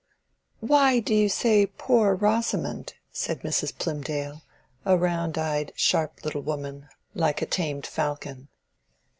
"Why do you say 'poor Rosamond'?" said Mrs. Plymdale, a round eyed sharp little woman, like a tamed falcon.